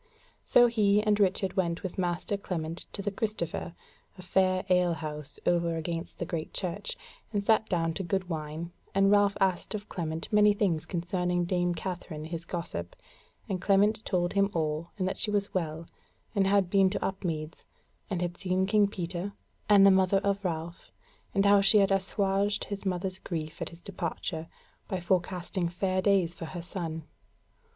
So he and Richard went with master Clement to the Christopher, a fair ale house over against the Great Church, and sat down to good wine; and Ralph asked of Clement many things concerning dame Katherine his gossip, and Clement told him all, and that she was well, and had been to Upmeads, and had seen King Peter and the mother of Ralph; and how she had assuaged his mother's grief at his departure by forecasting fair days for her son.